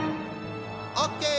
オッケー！